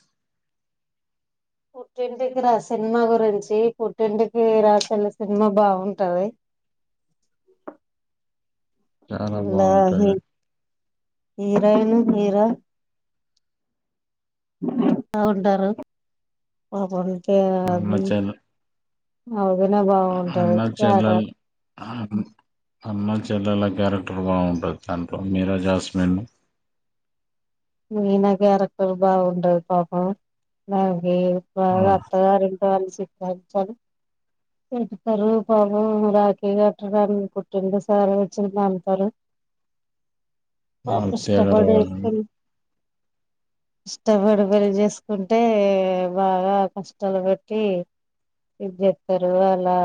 స్ పుట్టింటికి రా సినిమా గురించి పుట్టింటికి రా తెలుగు సినిమా బాగుంటది చాలా ఇలా హీ బాగుంటాయి హీరోయిన్ హీరో ఆ ఉంటారు ఆ బగం అన్న చెల్ అవగనే బాగుంటది అన్న కేట చెల్లెల్ చెలెళ్ల క్యారెక్టర్ బాగుంటుంది దాంట్లో మీరా జాస్మిన్ మీనా క్యారెక్టర్ బాగుంటది పాపం బాగా ఏ ఆ బాగా అత్తగారింట కలిసి వచ్చాం పెడతారు పాపం రాఖీ కట్టడాన్ని పుట్టింటి సార వచ్చి పంపుతారు ఆర్తి పాపిష్ట అగర్వాల్ ఇష్టపడి పెళ్లి చేసుకుంటే బాగా కష్టాలు పెట్టి ఇది పేరు గల్లా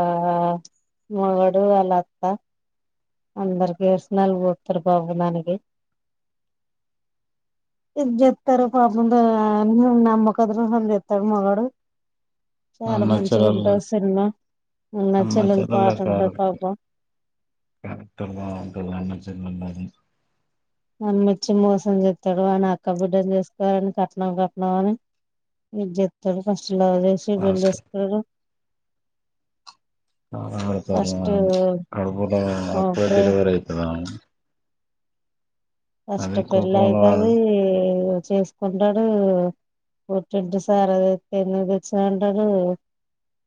మొగడు వాల్లా అత్త అందరికస నలుగుతురు బాబు దానికి ఇది చెత్తారు పాపంద నమ్మకద్ర సంద చెత్తడు మగడు అమ్మచర అన్న చెల్లెలు పాట అమ్మాచరలా కారు ఉంటది పాపం కెక్ట అంట అ [unintelligible] నమ్మిచ్చి మోసం చెస్తాడు వాని అక్క బిడ్డని చేసుకోవాలని కట్నం కట్నం అని ఇ చెప్తాడు కష్ట లవ్ చేసి పెళ్లి లాస్ట్ చేసుకున్నారు నామం బెడ్తాంది ఇగ ఫస్ట్ ఆమె కడుకుల ఎట్ల ప్రేమ డిలివరీ ఐతదాని అదే ఫస్టు కోపంలో ఆడు పెళ్లయితదీ చేసుకుంటాడు పుట్టింటి సారు ఎన్ని దెచ్చిన అంటరు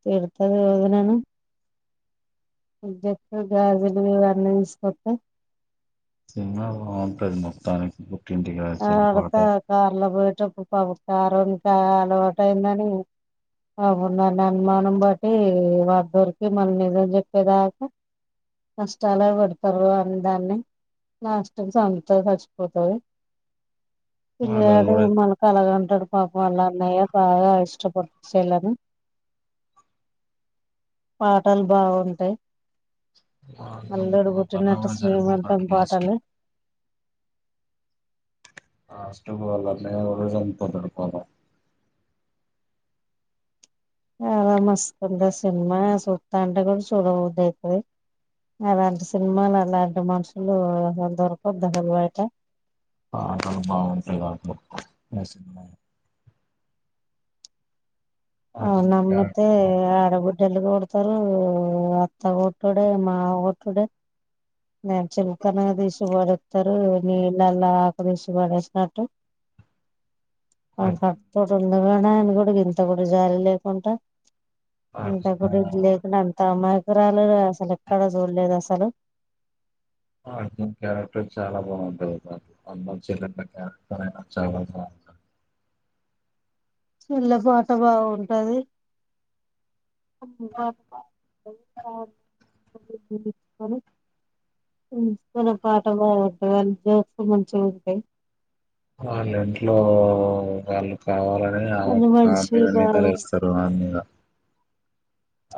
తిడతది వదినని ఇదెత్తే గాజులు ఇయన్ని దీస్కత్తే సినిమా బావుంటది మోత్తానికి. ఆ అడత కార్లా బొయటపుడు పాపం కారోళ్లు బా అలవాటయిందని పాపం దాన్ని అనుమానం బట్టి వదరికి మల్ నిజం జెప్పేదాకా కష్టాలె వెడతరు వాన్ దాన్ని, లాస్టుకు సంప్తది సచ్చిపోతది వాళ్ళని పిలగాడు కూడా మళ్ళ కలగంటడు పాపం ఆళ్ళ అన్నయ. బాగా ఇష్టపడ్ సెల్లను పాటలు బాగుంటయ్ ఆ అగడ శ్రీమంతం జనంగాస్ పాటలు ఆస్టుగోళనేే ఒ రోజంతా బడుకోల చాలా మస్తుంటది సినిమా సూతంటే గూడా చూడబుద్ధియితది, అలాంటి సినిమాలు అలాంటి మనుషులు అసలు దొరకొద్దు అసల్ బయట. పాటలు బాగుంటయ్ గావచ్చు. ఆ అర్జున్ నమ్మితె క్యారెక్టర్ బాగుంటది ఆడబిడ్డలు గొడ్ తరు అత్త గొటుడే మామ గొటుడే నిన్ చిలకన దీషివారేతరు, నీళ్ళలా ఆకు దీషిబడేసినట్టు. అహ అర్జున్ పొటో ది ఇందునే నేన్ గూడా ఇంత గూడా జాలీ లేకుంట ఇంత అర్జున్ కుడా ఇది లేకుండా అంత అమాయ్ రాలె గద అసలు ఎక్కడ జూలేదు అసలు ఆ ఇన్ క్యారక్టర్ చాలా బాగుంటది గవచు, అమ్మా చెల్లమ్మ క్యారెక్టర్ అయిన చాలా బాగుంటది. చెల్లె పాట బాగుంటది, వుంచుకునే పాట బాగుంటది ఆని జోక్స్ మంచి గుంటయ్. వాళ్ళ ఇంట్లో వాళ్ళు. కావాలనే అ వాని ఆమె మనిషి మీద బాగా నిందలేస్తారు ఆమె మీద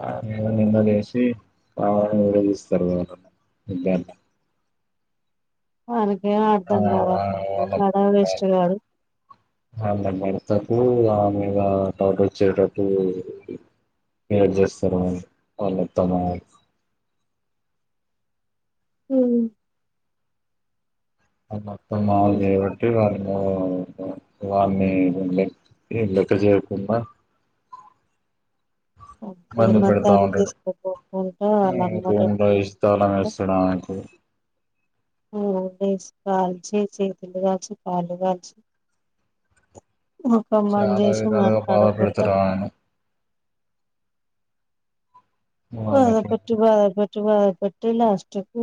ఆమె మీద నిందలేషి, కావలని విడదీస్తారు గద అంటున్న ఇద్దర్ని. అవును ఏం ఆ అర్థం వా గాదు అసల్ కి నర వేస్ట్ గారు ఆమె భర్తకు ఆమే మీద టపొచ్చేటట్టు ఏడ్ చేస్తారు వాళ్ళు ఆళ్ళత్తమామళ్లు ఊమ్ అమ్మకు అత్తమామలు జేబట్టి వానీకో వాన్ని ఈడ్ లెక్క జేయకున్నా ఇబ్బంది పెడతా శ్రీమంతానం ఉంటడు, తీసుకోపోకుండా ఉ వాళ్ళ ఒక అమ్మోళ్ళ రూమ్ ల దీసి ఇంటి తాళం ఏస్తడామెకు. ఊమ్ మస్ కాల్చి చేతులు గాల్చి, కాళ్లు గాల్చి చాలా విధాలుగా బాధ పెడుతరామెను. బాధ వాళ్ళకు పెట్టు బాధ పెట్టు బాధ పె టే లాష్టుకు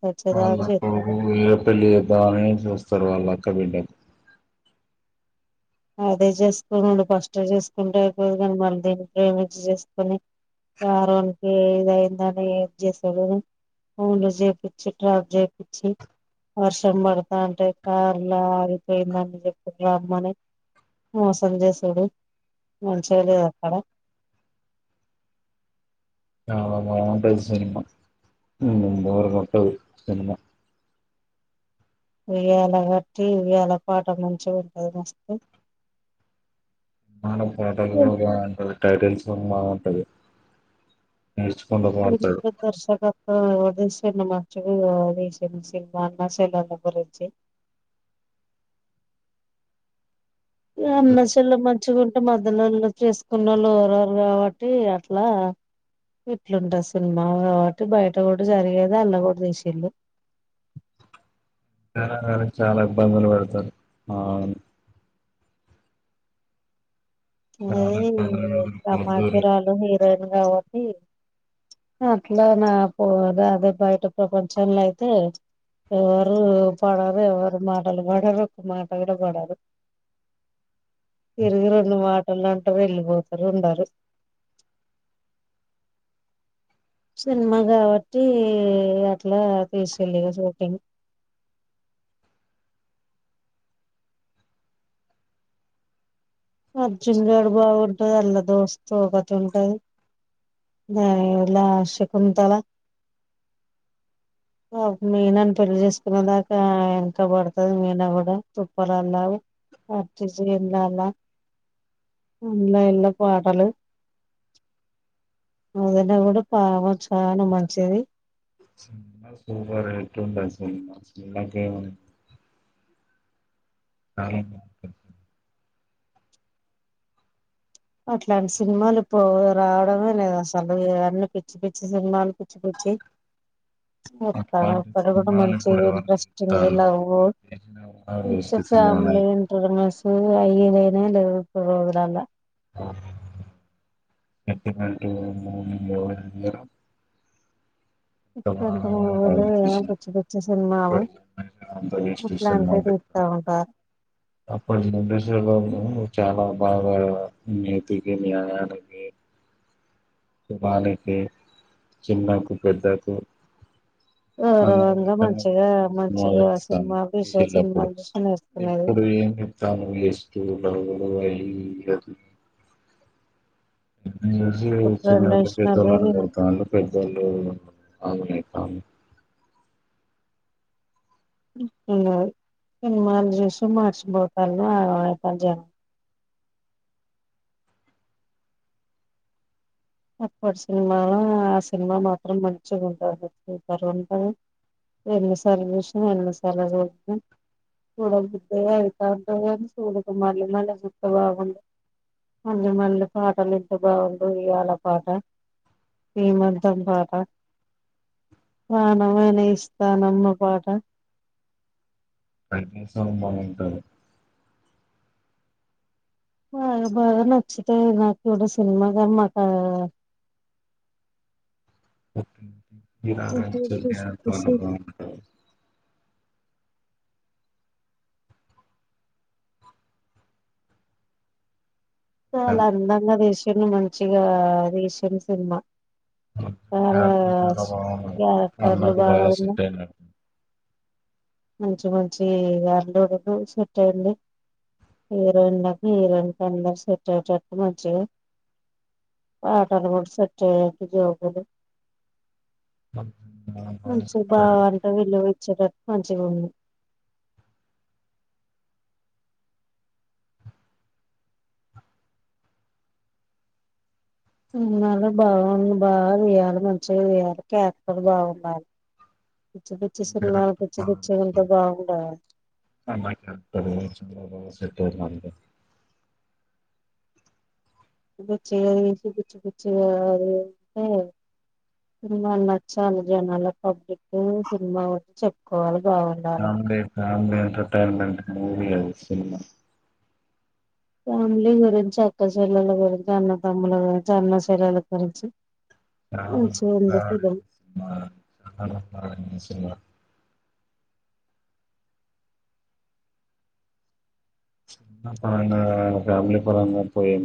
[unintelligible] దాన్ని ఏం చూస్త తను వాళ్ళక్క బిడ్డ అదే చేసుకోనిండు ఫస్ట్ చేసుకుంటే అయిపోదు కాని మళ్ళీ దీన్ని ప్రేమించి చేసుకొని కారనికి ఏదయిందని ఏది చేసాడు గుండు చేపిచ్చి ట్రాప్ చేపిచ్చి వర్షం పడుతాంటే కార్లా ఆగిపోయిందని చెప్పాడు రమ్మని మోసం చేసాడు మంచిగా లేదు అక్కడ చాలా బావుంటది సినిమా హ్మ్ బోరు కొట్టదు సినిమా ఉయ్యాల కట్టి ఉయ్యాల పాట మంచిగా ఉంటది మస్తు మన [unintelligible] టైటిల్స్ బావుం అదే హ్మ్ దర్శకత్వమా అ సిన్న మచకు అది సిన్న సినిమా అన్న సల అన్న గురిచ్చి అన్న చెల్లె మంచిగా ఉంటే మ పెద్దల చేసుకున్న వాళ్ళు ఎరరు కాబట్టి అట్లా ఇట్లుంటారు సినిమా కాబట్టి బయట కూడా జరిగేది అల్లా కూడా చేసేళ్ళు చాలా చాలా ఇబ్బందులు పెడతారు ఆ అవును ఏ చాలా ఇబ్బందులు పెడతారు కమాకి పొద్దురు రాలో హీరోయిను కాబట్టి అట్లా నా అ అదే బయట ప్రపంచంలో అయితే ఎవరు పడరు ఎవరు మాటలు పడరు ఒక మాట కూడా పడరు తిరిగి రెండు మాటలు పెళ్ళంటరు వెళ్ళిపోతారు ఉండారు సినిమా కాబట్టి అట్లా తీసెళ్లిక షూటింగ్ అర్జున్ గాడు బాగుంటది అల్ల దోస్తో ఒకతుంటది ద ఇలా శకుంతల మీనని పెళ్లి చేసుకునే దాకా ఎనక పడుతది మీనా కూడా తుప్పలల్లా పట్టిజ ఎల అలా ఇల ఇల పాటలు అదన్న కూడా బాగా చాలా మంచిది స సూపర్ రటు ఉంటది సినిమా [unintelligible] ఆ అట్లాంటి సినిమాలు ఇప్పు రావడమే లేదు అసలు ఇవన్ని పిచ్చి పిచ్చి సినిమాలు పిచ్చి పిచ్చి చెస్తారు అట్లాంటి ఒక్కటి కూడా సినిమాలు మంచి ఇప్పుడు ఎవరు ఇంట్రెస్టింగ్ తీత్తాలు లవ్ ఎవరు తీసినా కూడా మంచి వేస్ట్ సినిమాలే ఫ్యామిలీ ఇంటర్నల [unintelligible] ఎట్టున్నట్టు మూరం ముర ఇట్టాంటి మూవీలు ఏ తీసిన పిచ్చి పిచ్చి సినిమాలు ఇప్పటి జనరేషన్ అంతా వేస్ట్ అట్లాంటివి సినిమాలు తీత్తారు తీత్తా ఉంటారు అప్పటి జనరేషన్ లోనూ చాలా బాగా నీతికి న్యాయానికి వానికి చిన్నకు పెద్దకు గౌరవంగా మంచిగా మంచిగా సినిమా విష [unintelligible] సినిమాలు చూసి నేర్చుకునేది ఇప్పుడు ఏం చెప్తాను వేస్ దు [unintelligible] ఈ రోజు ఇప్పుడు చిన్నళ్ళు ట్రెడిషనల్ పెద్దోళ్ళు గా అనబడతాండు పెద్దోళ్ళు అవునే కా సినిమాలు చూసి మర్చిపోతారు ఆత జనం అప్పటి సినిమాలో ఆ సినిమా మాత్రం మంచిగా ఉంటుంది చూతారు ఉంటుంది ఎన్నిసార్లు చూసినా ఎన్నిసార్లు చూద్దాం చూడ బుద్ధి అయితంది చ చూడుక మళ్ళీ మళ్ళీ చూత్తే బాగుంది మళ్ళీ మళ్ళీ పాటలు ఇంటె బాగుండు ఇయాళ పాట ఈమద్దం పాట ప్రాణమైన ఇస్తానమ్మ పాట [unintelligible] బాగుంటారు బాగా బాగా నచ్చుతే నాకు ఇప్పుడ సినిమాగా మాకు [inaudible] మీలా చూసి చె చూసి తంట చూసి పో [unintelligible] చాలా అందంగా జెస్ చిన్న మంచిగా రీసెంట్ సినిమా చాలా ట చాల భావ క్యారెక్టర్లు అన్నకి బాగా పోయా ఉన్నా సెట్యినా [unintelligible] మంచి మంచి అల్లుడు సెట్ అయంది హీరోయిన్ హీరోయిన్ క అందరు సెట్ అయ్యేటట్టు మంచి పాటలు కూడా సెట్ అయ్యా జోబులు [inaudible] మంచి బాగు సెట్ అంటే వీళ్ళ [unintelligible] మంచి గా ఉండు అ బాగుంది బాగా వేయాలి మంచిగా వేయాలి క్యారెక్టర్ బాగుండాలీ పిచ్చి పిచ్చి సినిమా నాకు పిచ్చి పిచ్చే గా ఉంటే వెళ్తుంది బాగుండా సటే మద [unintelligible] చ్చచ్చిగా [unintelligible] తీసి పిచ్చి పిచ్చిగా అంటే సినిమా నచ్చాలి జనాల పబ్లిక్ సినిమా కూడా చెప్పుకోవాలి బావుండాల రాందేవ్ ఎంటర్టైన్మెంట్ మూవీ అది సినిమా ఫ్యామిలీ గురించి అక్కచెల్లెలా గురించి అన్నతమ్ముల గురించి అన్న చెల్లెలా గురించి మంచిగుంది ఫిలిం సినిమా [unintelligible] [unintelligible] ఫ్యామిలీ పరంగా పోయి